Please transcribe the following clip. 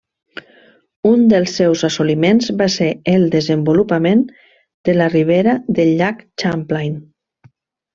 Un dels seus assoliments va ser el desenvolupament de la ribera del llac Champlain.